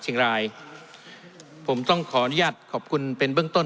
เชียงรายผมต้องขออนุญาตขอบคุณเป็นเบื้องต้น